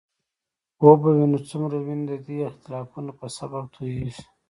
وبه وینو څومره وینې د دې اختلافونو په سبب تویېږي.